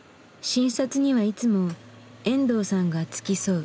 診察にはいつも遠藤さんが付き添う。